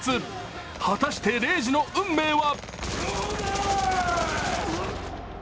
果たして玲二の運命は？